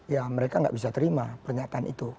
ya mereka nggak bisa terima pernyataan itu